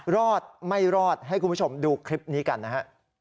รอดไม่รอดให้คุณผู้ชมดูคลิปนี้กันนะฮะ